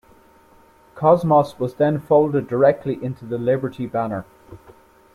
Cosmos was then folded directly into the Liberty banner.